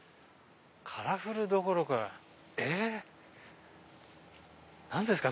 カラフルどころかえっ⁉何ですか？